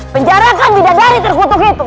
penjarakan didadari terkutuk itu